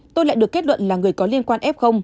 tôi lại được kết luận là người có liên quan f